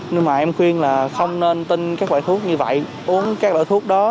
nhưng mà em khuyên là không nên tin các loại thuốc như vậy uống các loại thuốc đó